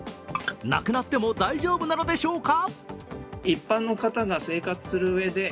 なくなっても大丈夫なのでしょうか。